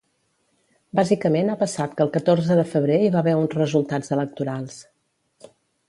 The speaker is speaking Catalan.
Bàsicament ha passat que el catorze de febrer hi va haver uns resultats electorals.